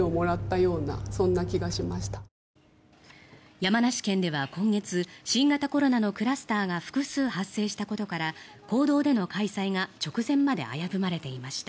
山梨県では今月新型コロナのクラスターが複数発生したことから公道での開催が直前まで危ぶまれていました。